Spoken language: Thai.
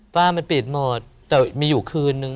ฝ้ามันปิดหมดแต่มีอยู่คืนนึง